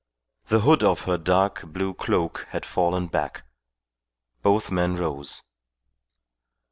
The hood of her dark, blue cloak had fallen back. Both men rose.